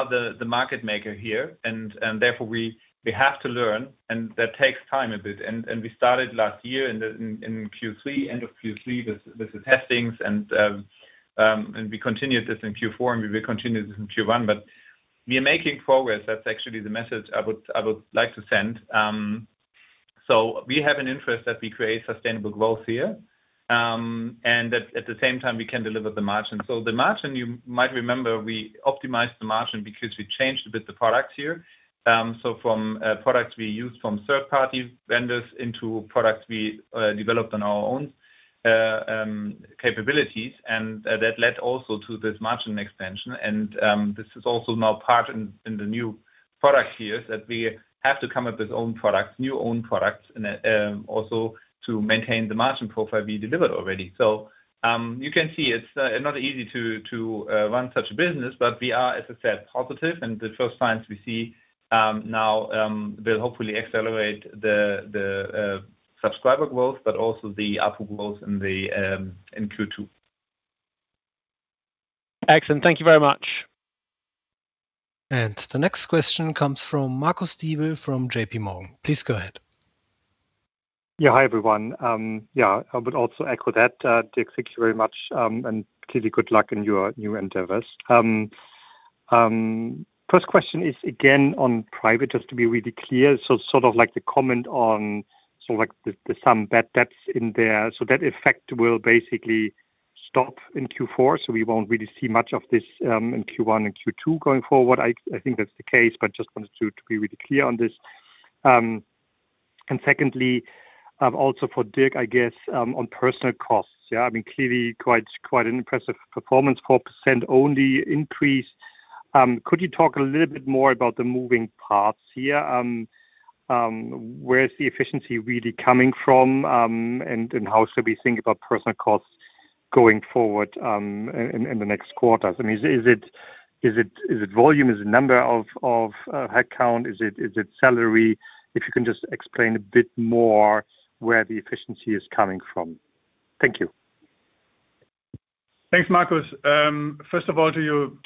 the market maker here, and therefore, we have to learn, and that takes time a bit. We started last year in Q3, end of Q3 with the testings and we continued this in Q4, and we will continue this in Q1. We are making progress, that's actually the message I would like to send. We have an interest that we create sustainable growth here, and at the same time, we can deliver the margin. The margin, you might remember, we optimized the margin because we changed a bit the products here. From products we used from third-party vendors into products we developed on our own capabilities, and that led also to this margin expansion. This is also now part in the new product here, that we have to come up with own products, new own products, and also to maintain the margin profile we delivered already. You can see it's not easy to run such a business, but we are, as I said, positive. The first signs we see now will hopefully accelerate the subscriber growth, but also the ARPU growth in Q2. Excellent. Thank you very much. The next question comes from Marcus Diebel from J.P. Morgan. Please go ahead. Hi, everyone. Yeah, I would also echo that, Dirk, thank you very much, and Tili good luck in your new endeavors. First question is again, on private, just to be really clear, so sort of like the comment on sort of like the some bad debts in there. That effect will basically stop in Q4, so we won't really see much of this in Q1 and Q2 going forward. I think that's the case, but just wanted to be really clear on this. And secondly, also for Dirk, I guess, on personal costs. I mean, clearly quite an impressive performance, 4% only increase. Could you talk a little bit more about the moving parts here? Where is the efficiency really coming from, and how should we think about personal costs going forward, in the next quarters? Is it volume? Is it number of headcount? Is it salary? If you can just explain a bit more where the efficiency is coming from. Thank you. Thanks, Marcus. First of all, to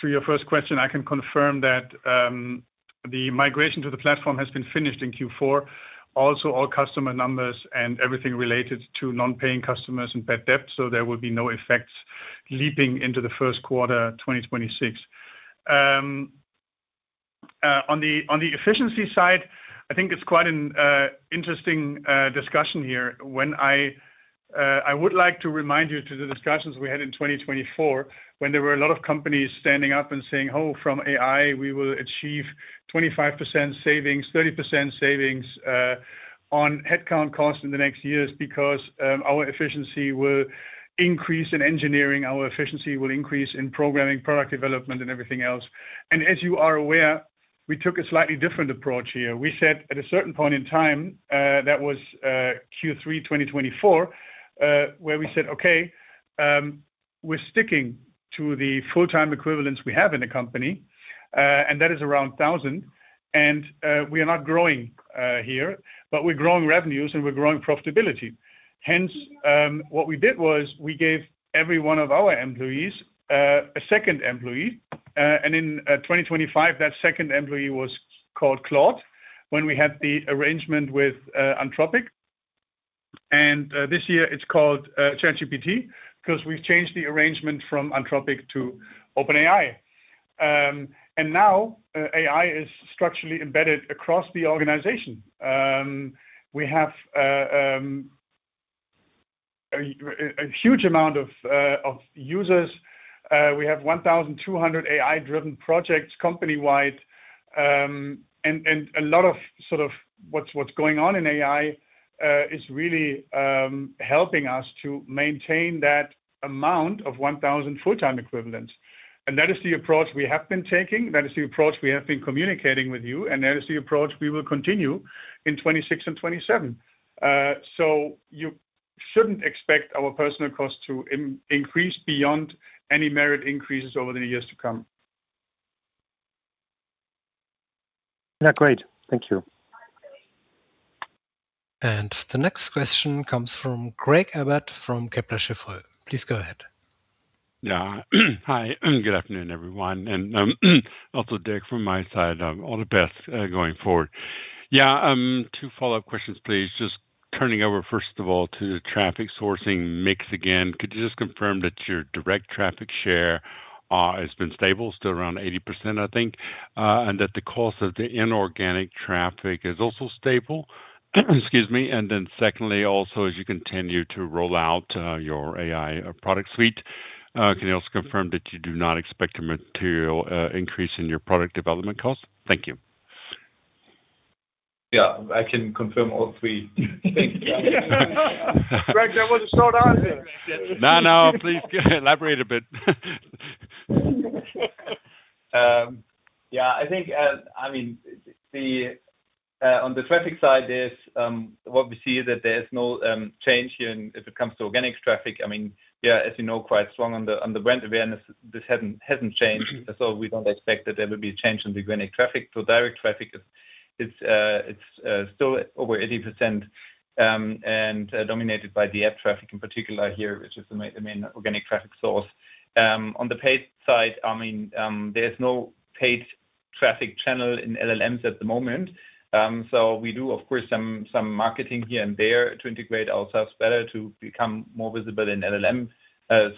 your first question, I can confirm that the migration to the platform has been finished in Q4. All customer numbers and everything related to non-paying customers and bad debt, so there will be no effects leaping into the first quarter, 2026. On the efficiency side, I think it's quite an interesting discussion here. I would like to remind you to the discussions we had in 2024, when there were a lot of companies standing up and saying, "Oh, from AI, we will achieve 25% savings, 30% savings on headcount costs in the next years because our efficiency will increase in engineering, our efficiency will increase in programming, product development, and everything else." As you are aware, we took a slightly different approach here. We said at a certain point in time, that was Q3 2024, where we said, "Okay, we're sticking to the full-time equivalents we have in the company," and that is around 1,000. "We are not growing here, but we're growing revenues and we're growing profitability." Hence, what we did was we gave every one of our employees a second employee. In 2025, that second employee was called Claude, when we had the arrangement with Anthropic. This year it's called ChatGPT, 'cause we've changed the arrangement from Anthropic to OpenAI. Now, AI is structurally embedded across the organization. We have a huge amount of users. We have 1,200 AI-driven projects company-wide. A lot of sort of what's going on in AI is really helping us to maintain that amount of 1,000 full-time equivalents. That is the approach we have been taking, that is the approach we have been communicating with you, and that is the approach we will continue in 2026 and 2027. You shouldn't expect our personal cost to increase beyond any merit increases over the years to come. Yeah, great. Thank you. The next question comes from Craig Abbott from Kepler Cheuvreux. Please go ahead. Yeah. Hi, good afternoon, everyone, and also Dirk, from my side, all the best going forward. Yeah, two follow-up questions, please. Just turning over, first of all, to the traffic sourcing mix again, could you just confirm that your direct traffic share has been stable, still around 80%, I think, and that the cost of the inorganic traffic is also stable? Excuse me. Secondly, also, as you continue to roll out your AI product suite, can you also confirm that you do not expect a material increase in your product development cost? Thank you. Yeah, I can confirm all three. Craig, that was a short answer. No, no, please elaborate a bit. Yeah, I think, I mean, on the traffic side, there's what we see is that there is no change here when it comes to organic traffic. I mean, yeah, as you know, quite strong on the brand awareness, this hasn't changed. We don't expect that there will be a change in the organic traffic. Direct traffic, it's still over 80% and dominated by the app traffic in particular here, which is the main organic traffic source. On the paid side, I mean, there's no paid traffic channel in LLMs at the moment. We do, of course, some marketing here and there to integrate ourselves better, to become more visible in LLM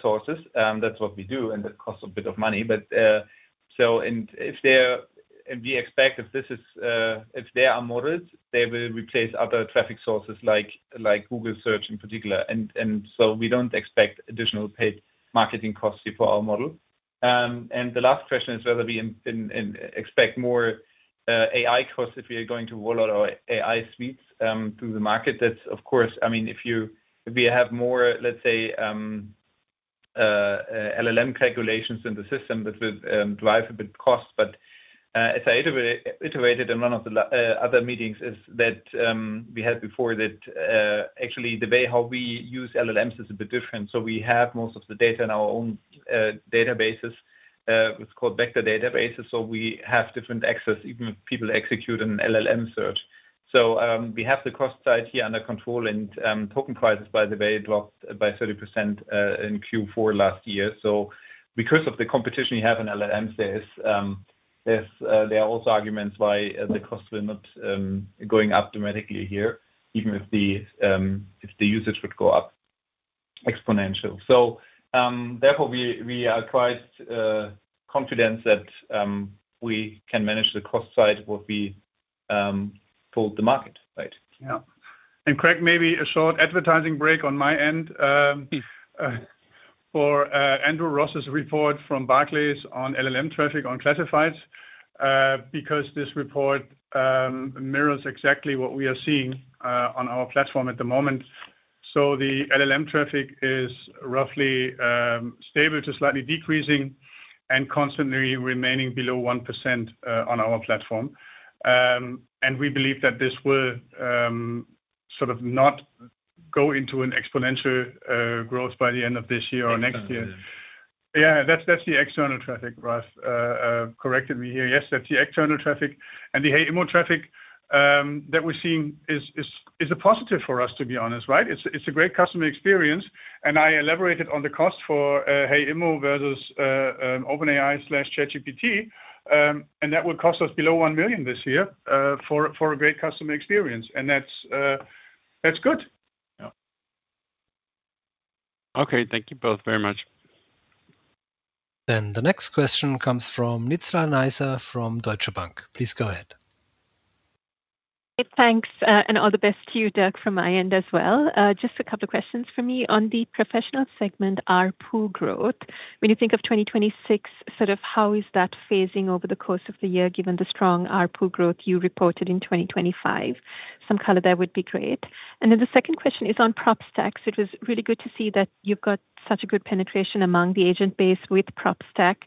sources. That's what we do, and that costs a bit of money. We expect if this is, if they are models, they will replace other traffic sources like Google Search in particular. We don't expect additional paid marketing costs for our model. The last question is whether we expect more AI costs if we are going to roll out our AI suites to the market. That's of course. I mean, if you, if we have more, let's say, LLM calculations in the system, that would drive a bit cost. As I iterated in one of the other meetings is that, we had before that, actually, the way how we use LLMs is a bit different. We have most of the data in our own databases. It's called vector databases, we have different access, even if people execute an LLM search. We have the cost side here under control and token prices, by the way, dropped by 30% in Q4 last year. Because of the competition we have in LLMs, there are also arguments why the costs will not going up dramatically here, even if the usage would go up exponential. Therefore, we are quite confident that we can manage the cost side would be for the market, right? Yeah. Craig, maybe a short advertising break on my end, for Andrew Ross's report from Barclays on LLM traffic on classifieds, because this report mirrors exactly what we are seeing on our platform at the moment. The LLM traffic is roughly stable to slightly decreasing and constantly remaining below 1% on our platform. We believe that this will sort of not go into an exponential growth by the end of this year or next year. External, yeah. Yeah, that's the external traffic, Ross. corrected me here. Yes, that's the external traffic. The HeyImmo traffic that we're seeing is a positive for us, to be honest, right? It's a great customer experience, and I elaborated on the cost for HeyImmo versus OpenAI/ChatGPT, and that would cost us below 1 million this year for a great customer experience. That's good. Yeah. Okay, thank you both very much. The next question comes from Fathima-Nizla Naizer from Deutsche Bank. Please go ahead. Hey, thanks, and all the best to you, Dirk, from my end as well. Just a couple of questions for me. On the professional segment, ARPU growth, when you think of 2026, sort of how is that phasing over the course of the year, given the strong ARPU growth you reported in 2025? Some color there would be great. The second question is on PropTech. It was really good to see that you've got such a good penetration among the agent base with PropTech.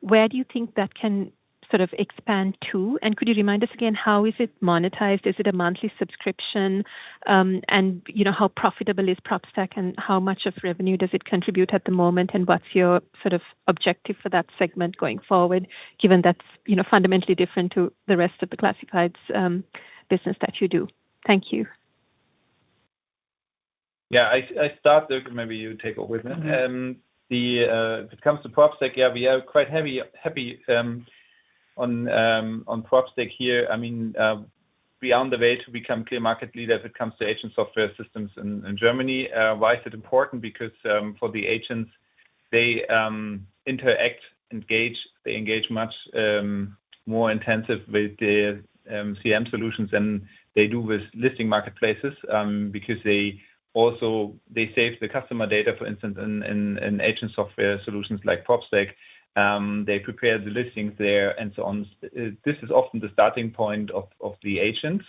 Where do you think that can sort of expand to? And could you remind us again, how is it monetized? Is it a monthly subscription? you know, how profitable is PropTech, and how much of revenue does it contribute at the moment, and what's your sort of objective for that segment going forward, given that's, you know, fundamentally different to the rest of the classifieds, business that you do? Thank you. I thought, Dirk, maybe you take over with it. If it comes to PropTech, we are quite heavy, happy, on PropTech here. We are on the way to become clear market leader if it comes to agent software systems in Germany. Why is it important? For the agents, they interact, engage, they engage much more intensive with the CM solutions than they do with listing marketplaces, because they also save the customer data, for instance, in agent software solutions like PropTech. They prepare the listings there and so on. This is often the starting point of the agent.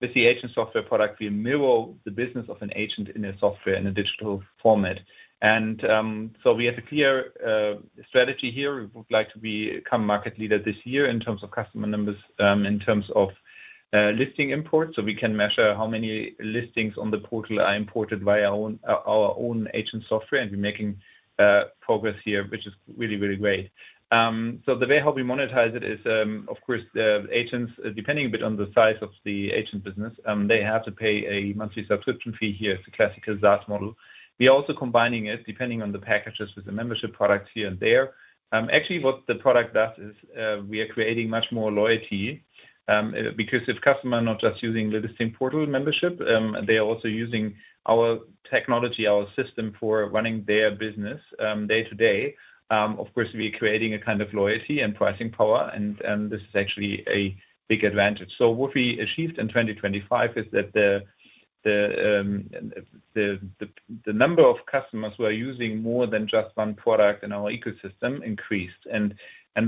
With the agent software product, we mirror the business of an agent in a software, in a digital format. We have a clear strategy here. We would like to become market leader this year in terms of customer numbers, in terms of listing imports, so we can measure how many listings on the portal are imported via our own agent software, and we're making progress here, which is really, really great. The way how we monetize it is, of course, the agents, depending a bit on the size of the agent business, they have to pay a monthly subscription fee. Here, it's a classical SaaS model. We're also combining it, depending on the packages, with the membership products here and there. Actually, what the product does is, we are creating much more loyalty, because if customer not just using the listing portal membership, they are also using our technology, our system for running their business, day to day. Of course, we're creating a kind of loyalty and pricing power, and this is actually a big advantage. What we achieved in 2025 is that the number of customers who are using more than just one product in our ecosystem increased.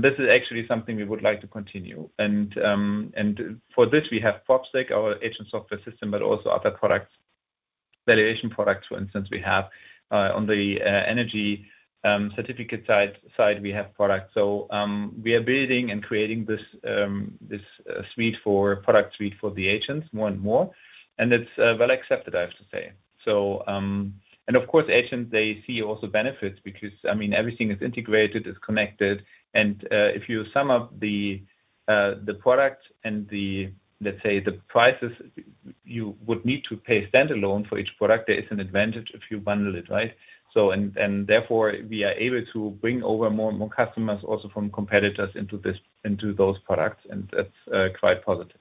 This is actually something we would like to continue. For this, we have PropTech, our agent software system, but also other products, valuation products, for instance, we have on the energy certificate side, we have products. We are building and creating this product suite for the agents more and more, and it's well accepted, I have to say. Of course, agents, they see also benefits because, I mean, everything is integrated, it's connected, and if you sum up the product and the, let's say, the prices you would need to pay standalone for each product, there is an advantage if you bundle it, right? And therefore, we are able to bring over more and more customers also from competitors into this, into those products, and that's quite positive.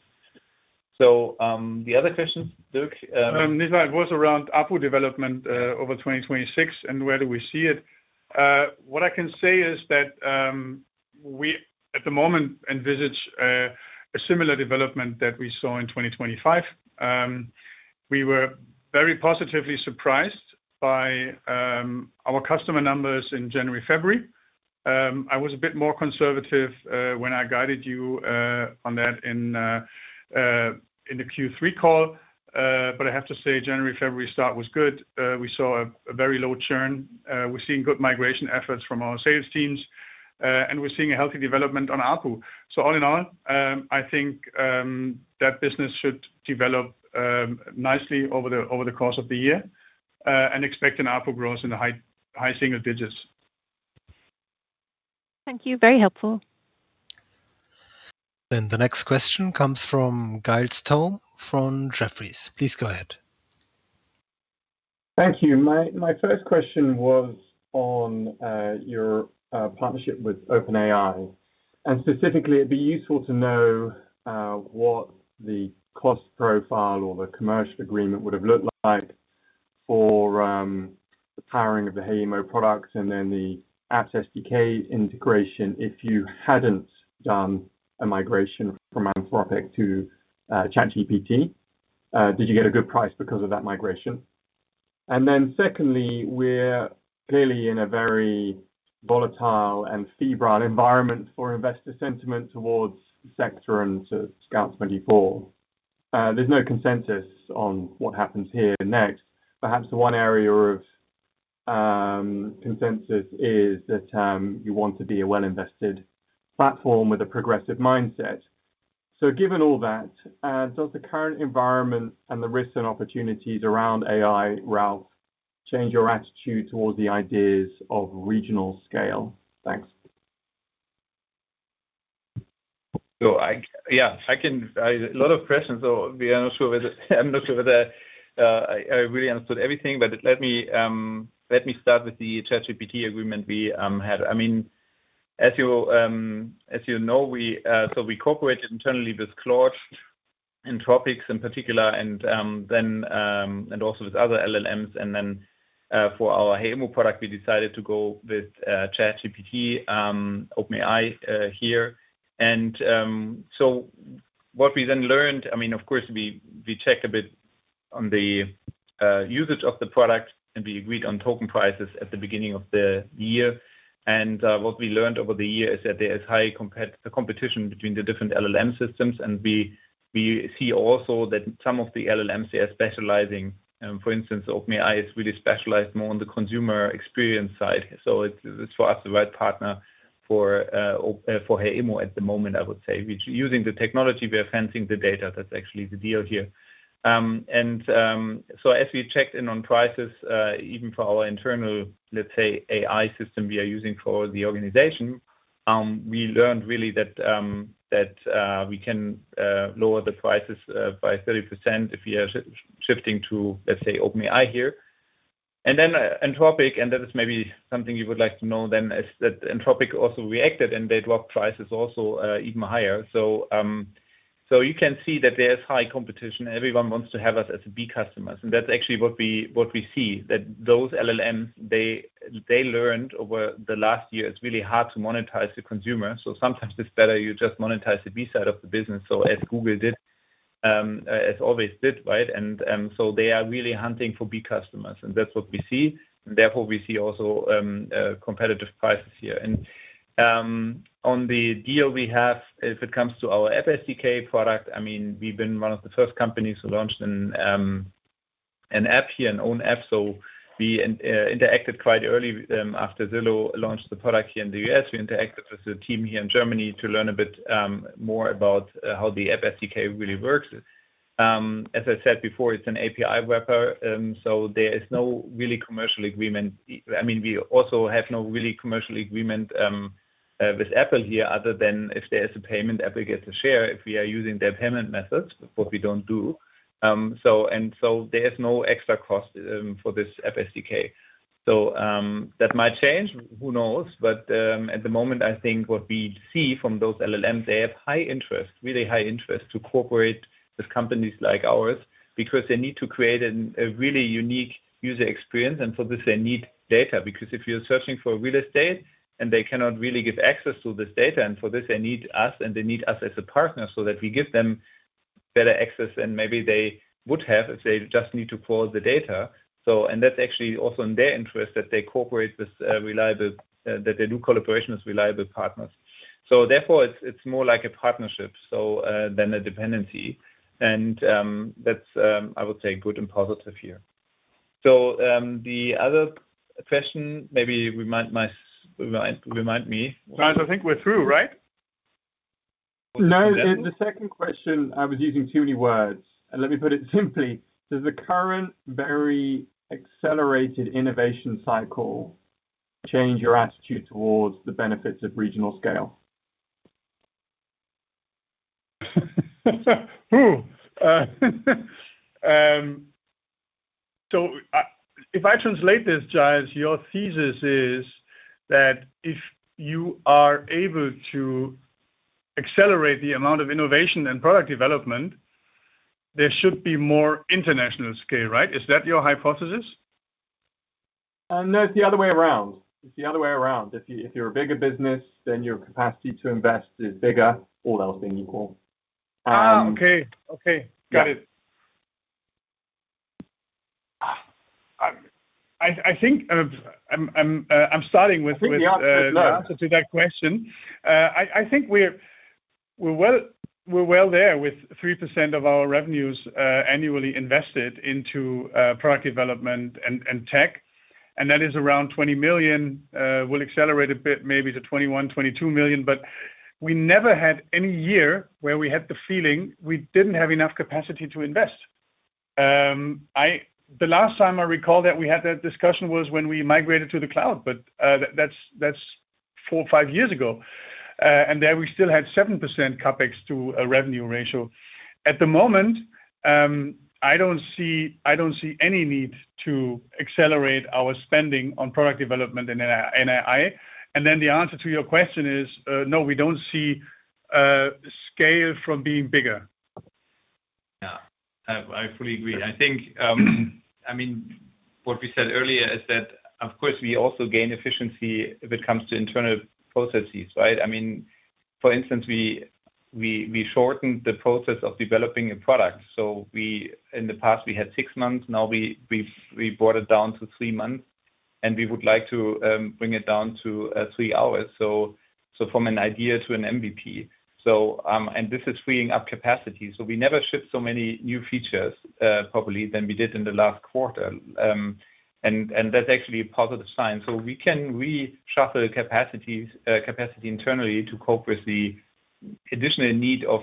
The other question, Dirk. This one was around ARPU development over 2026 and where do we see it? What I can say is that we, at the moment, envisage a similar development that we saw in 2025. We were very positively surprised by our customer numbers in January, February. I was a bit more conservative when I guided you on that in the Q3 call. I have to say, January, February start was good. We saw a very low churn. We're seeing good migration efforts from our sales teams, and we're seeing a healthy development on ARPU. All in all, I think that business should develop nicely over the course of the year, and expect an ARPU growth in the high single digits. Thank you. Very helpful. The next question comes from Giles Thorne from Jefferies. Please go ahead. Thank you. My first question was on your partnership with OpenAI, and specifically, it'd be useful to know what the cost profile or the commercial agreement would have looked like for the powering of the HeyImmo products and then the app SDK integration if you hadn't done a migration from Anthropic to ChatGPT. Did you get a good price because of that migration? Secondly, we're clearly in a very volatile and febrile environment for investor sentiment towards the sector and to Scout24. There's no consensus on what happens here next. Perhaps the one area of consensus is that you want to be a well-invested platform with a progressive mindset. Given all that, does the current environment and the risks and opportunities around AI, Ralf, change your attitude towards the ideas of regional scale? Thanks. Yeah, I can. A lot of questions, so be not sure whether, I'm not sure whether I really understood everything, but let me start with the ChatGPT agreement we had. I mean, as you, as you know, we, so we cooperated internally with Claude in topics in particular, and then, and also with other LLMs, and then for our HeyImmo product, we decided to go with ChatGPT, OpenAI here. What we then learned, I mean, of course, we checked a bit on the usage of the product, and we agreed on token prices at the beginning of the year. What we learned over the year is that there is high competition between the different LLM systems, and we see also that some of the LLMs, they are specializing. For instance, OpenAI is really specialized more on the consumer experience side, so it's, for us, the right partner for HeyImmo at the moment, I would say. We're using the technology, we are fencing the data. That's actually the deal here. So as we checked in on prices, even for our internal, let's say, AI system we are using for the organization, we learned really that we can lower the prices by 30% if we are shifting to, let's say, OpenAI here. Anthropic, and that is maybe something you would like to know then, is that Anthropic also reacted, and they dropped prices also, even higher. You can see that there's high competition. Everyone wants to have us as B customers, and that's actually what we see, that those LLMs, they learned over the last year, it's really hard to monetize the consumer, so sometimes it's better you just monetize the B side of the business, as Google did, as always did, right? They are really hunting for B customers, and that's what we see, and therefore, we see also competitive prices here. On the deal we have, if it comes to our SDK product, I mean, we've been one of the first companies who launched in an app here, an own app. We interacted quite early after Zillow launched the product here in the U.S. We interacted with the team here in Germany to learn a bit more about how the app SDK really works. As I said before, it's an API wrapper, there is no really commercial agreement. I mean, we also have no really commercial agreement with Apple here other than if there is a payment aggregate to share, if we are using their payment methods, but what we don't do. There is no extra cost for this app SDK. That might change, who knows? At the moment, I think what we see from those LLMs, they have high interest, really high interest to cooperate with companies like ours because they need to create a really unique user experience, for this, they need data. If you're searching for real estate, they cannot really give access to this data, for this, they need us, they need us as a partner so that we give them better access than maybe they would have if they just need to pull the data. That's actually also in their interest, that they cooperate with reliable, that they do collaboration with reliable partners. Therefore, it's more like a partnership than a dependency. That's I would say good and positive here. The other question, maybe remind me. Giles, I think we're through, right? No, the second question, I was using too many words, and let me put it simply: Does the current very accelerated innovation cycle change your attitude towards the benefits of regional scale? If I translate this, Giles, your thesis is that if you are able to accelerate the amount of innovation and product development, there should be more international scale, right? Is that your hypothesis? No, it's the other way around. It's the other way around. If you're a bigger business, then your capacity to invest is bigger, all else being equal. Okay. Okay. Yeah. Got it. I think of, I'm starting with- I think the answer is no.... the answer to that question. I think we're well there with 3% of our revenues annually invested into product development and tech, and that is around 20 million. We'll accelerate a bit, maybe to 21 million-22 million, but we never had any year where we had the feeling we didn't have enough capacity to invest. The last time I recall that we had that discussion was when we migrated to the cloud, but that's four, five years ago. There we still had 7% CapEx to a revenue ratio. At the moment, I don't see any need to accelerate our spending on product development in AI. The answer to your question is no, we don't see scale from being bigger. Yeah, I fully agree. I think, I mean, what we said earlier is that, of course, we also gain efficiency if it comes to internal processes, right? I mean, for instance, we shortened the process of developing a product. In the past, we had 6 months, now we've brought it down to 3 months, and we would like to bring it down to 3 hours. From an idea to an MVP. This is freeing up capacity. We never shipped so many new features, probably than we did in the last quarter. That's actually a positive sign. We can reshuffle capacity internally to cope with the additional need of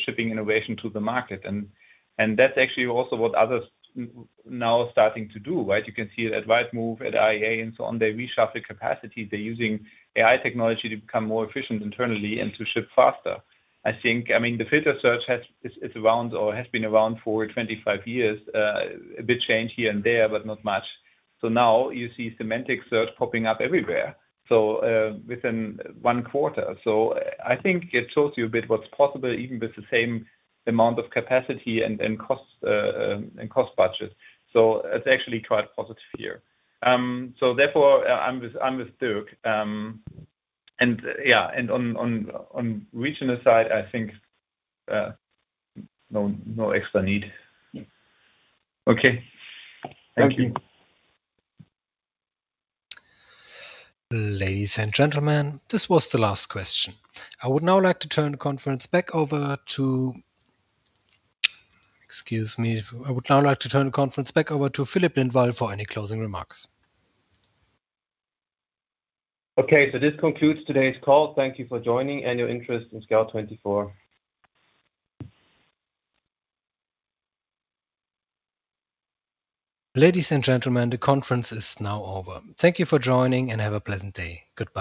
shipping innovation to the market. That's actually also what others now are starting to do, right? You can see it at Rightmove, at IA, and so on. They reshuffle capacity. They're using AI technology to become more efficient internally and to ship faster. I mean, the filter search It's around or has been around for 25 years. A bit change here and there, but not much. Now you see semantic search popping up everywhere within 1 quarter. I think it shows you a bit what's possible, even with the same amount of capacity and cost budget. It's actually quite positive here. Therefore, I'm with Dirk. On regional side, I think, no extra need. Yeah. Okay. Thank you. Thank you. Ladies and gentlemen, this was the last question. I would now like to turn the conference back over to... Excuse me. I would now like to turn the conference back over to Filip Lindvall for any closing remarks. Okay, this concludes today's call. Thank you for joining and your interest in Scout24. Ladies and gentlemen, the conference is now over. Thank you for joining, and have a pleasant day. Goodbye.